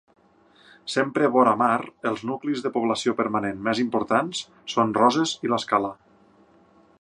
Sempre vora mar, els nuclis de població permanent més importants són Roses i l'Escala.